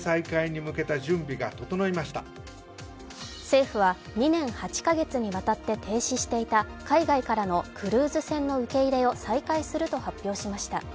政府は、２年８か月にわたって停止していた海外からのクルーズ船の受け入れを再開すると発表しました。